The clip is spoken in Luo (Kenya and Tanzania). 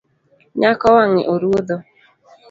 Nyako wang’e oruodho